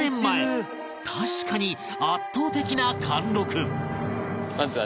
確かに圧倒的な貫禄